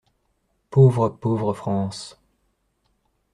Pauvre, pauvre France!